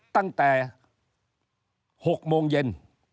ตั้งแต่๖โมงเย็น